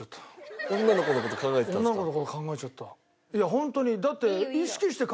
いやホントにだって。